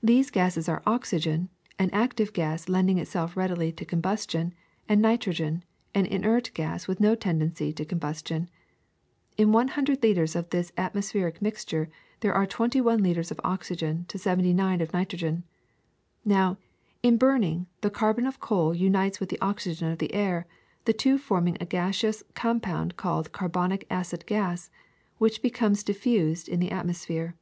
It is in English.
These gases are oxygen, an active gas lending itself readily to combustion, and nitrogen, an inert gas with no tendency to combustion. In one hundred liters of this atmospheric mixture there are twenty one liters of oxygen to seventy nine of nitro gen. Now, in burning, the carbon of coal unites with the oxygen of the air, the two forming a gaseous com pound called carbonic acid gas, which becomes dif fused in the atmosphere.